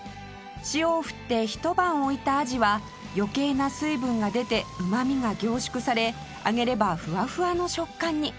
塩を振って一晩置いたアジは余計な水分が出てうまみが凝縮され揚げればフワフワの食感に